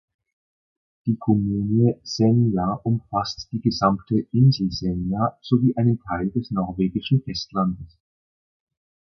Die Kommune Senja umfasst die gesamte Insel Senja sowie einen Teil des norwegischen Festlandes.